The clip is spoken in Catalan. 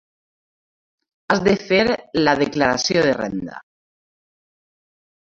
Has de fer la declaració de renda.